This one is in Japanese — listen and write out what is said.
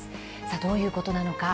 さあ、どういうことなのか。